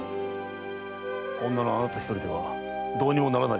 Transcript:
女のあなたひとりではどうにもならないでしょう。